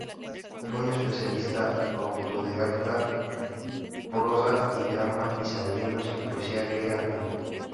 Fue un especialista autodidacta en prosa y drama isabelinos, y poesía griega antigua.